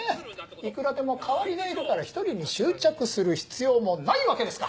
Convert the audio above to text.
いくらでも代わりがいるから１人に執着する必要もないわけですか！